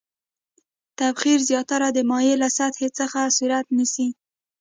تبخیر زیاتره د مایع له سطحې څخه صورت نیسي.